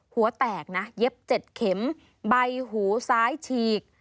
หัวแตกเย็บเจ็ดเข็มใบหูซ้ายฉีก